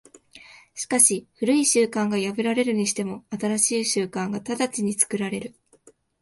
しかし旧い習慣が破られるにしても、新しい習慣が直ちに作られる。